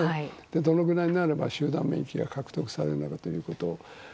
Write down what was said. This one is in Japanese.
どのくらいになれば集団免疫が獲得されるのかということ。